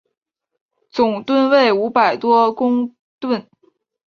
总吨位五百多公顿。